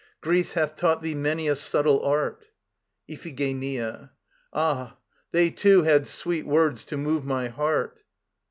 Greece hath taught thee many a subtle art. IPHIGENIA. Ah, they too had sweet words to move my heart.